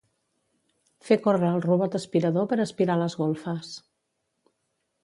Fer córrer el robot aspirador per aspirar les golfes.